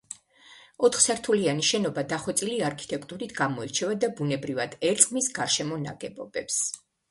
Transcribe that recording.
ოთხსართულიანი შენობა დახვეწილი არქიტექტურით გამოირჩევა და ბუნებრივად ერწყმის გარშემო ნაგებობებს.